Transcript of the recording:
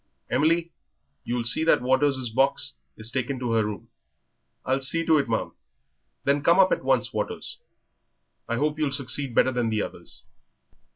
"Emily, you'll see that Waters' box is taken to her room." "I'll see to it, ma'am." "Then come up at once, Waters. I hope you'll succeed better than the others."